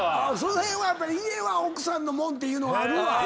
やっぱり家は奥さんのもんっていうのはあるわ。